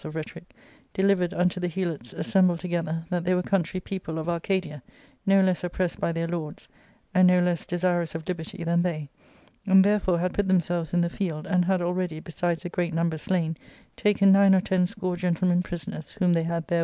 f rhetoric, delivered unto the Helots assfinjhlsdjfigether that they were country people of Arcadia, no less oppressed by their lords, arid no less desirous of. liberty.>Jli&n they» and therefore had put themselves in the field, and had^already^ besides a great number slain, taken ,nine or ten score gentlemen prisoners, whom they had there.